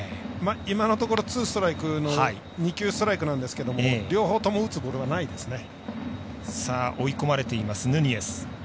今のところツーストライクの２球ストライクなんですが両方とも打つボールはないですね。